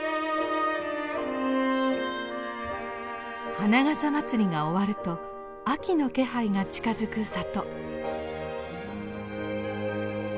花笠まつりが終わると秋の気配が近づく里。